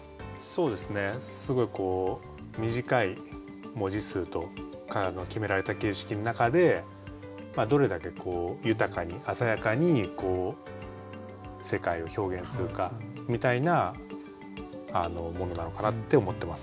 そうですねすごい短い文字数と決められた形式の中でどれだけ豊かに鮮やかに世界を表現するかみたいなものなのかなって思ってます。